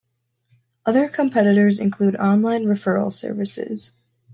Other competitors include online referral services.